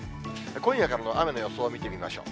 今夜からの雨の予想を見てみましょう。